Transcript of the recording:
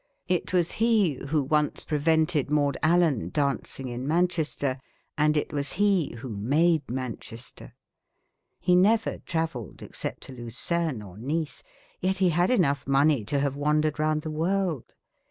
It was he who once prevented Maud Allan dancing in Manchester, and it was he who made Manchester. He never travelled except to Lucerne or Nice. Yet he had enough money to have wandered round the world.